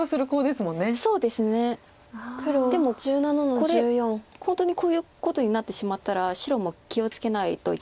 でもこれ本当にこういうことになってしまったら白も気を付けないといけないです。